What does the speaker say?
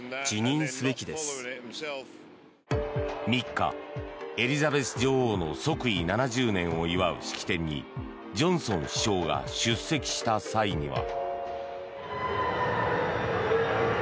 ３日、エリザベス女王の即位７０年を祝う式典にジョンソン首相が出席した際には。